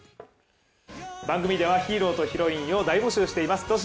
番組ではヒーローとヒロインを大募集しています。